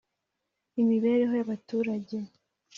imibereho y’abaturage